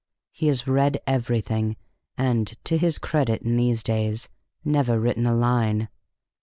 He has read everything and (to his credit in these days) never written a line.